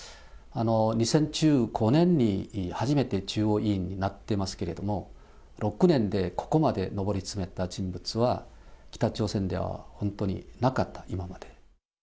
２０１５年に初めて中央委員になってますけども、６年でここまで上り詰めた人物は、北朝鮮では本当になかった、今まで。